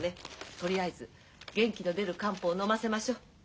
とりあえず元気の出る漢方をのませましょう。